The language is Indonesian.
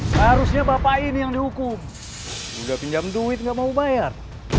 seharusnya bapak ini yang dihukum udah pinjam duit gak mau bayar